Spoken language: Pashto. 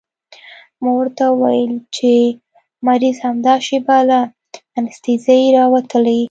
ما ورته وويل چې مريض همدا شېبه له انستيزۍ راوتلى.